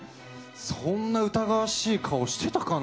そんな疑わしい顔してたかな？